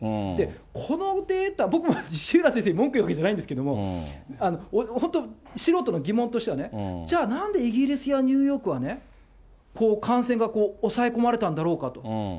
このデータ、僕も西浦先生に文句言うわけじゃないんですけれども、本当、素人の疑問としてはね、じゃあ、なんでイギリスやニューヨークは、感染がこう抑え込まれたんだろうかと。